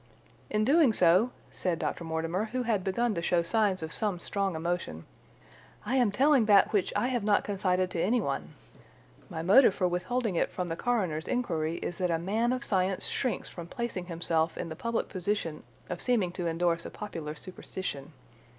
"In doing so," said Dr. Mortimer, who had begun to show signs of some strong emotion, "I am telling that which I have not confided to anyone. My motive for withholding it from the coroner's inquiry is that a man of science shrinks from placing himself in the public position of seeming to indorse a popular superstition.